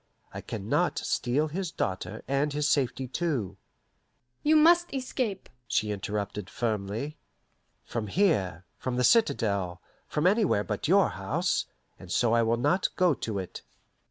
I can not steal his daughter and his safety too " "You must escape," she interrupted firmly. "From here, from the citadel, from anywhere but your house; and so I will not go to it."